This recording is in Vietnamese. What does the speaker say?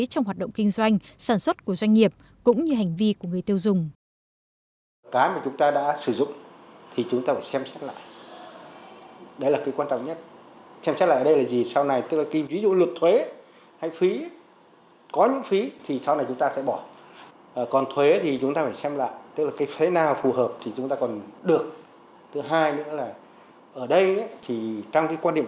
trong hoạt động kinh doanh sản xuất của doanh nghiệp